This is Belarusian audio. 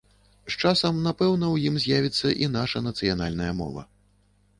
З часам, напэўна, у ім з'явіцца і наша нацыянальная мова.